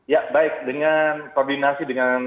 ya baik dengan koordinasi dengan